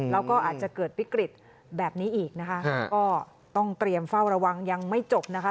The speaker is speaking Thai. แล้วก็อาจจะเกิดวิกฤตแบบนี้อีกนะคะก็ต้องเตรียมเฝ้าระวังยังไม่จบนะคะ